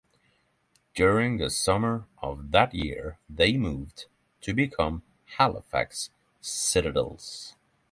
During the summer of that year, they moved to become the Halifax Citadels.